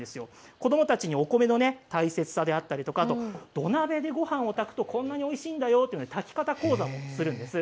子どもたちにお米の大切さであったり土鍋でご飯をたくとこんなにおいしいんだよというたき方講座をするんです。